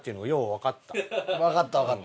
わかったわかった。